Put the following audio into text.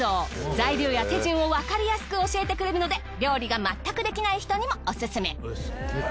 材料や手順をわかりやすく教えてくれるので料理がまったくできない人にもオススメ。